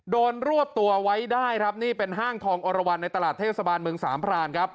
รวบตัวไว้ได้ครับนี่เป็นห้างทองอรวรรณในตลาดเทศบาลเมืองสามพรานครับ